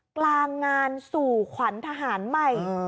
กลางงานสู่ขวัญทหารใหม่